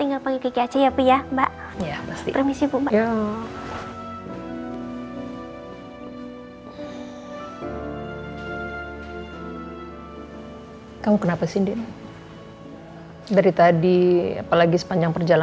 ngak mau best pesta dengan apa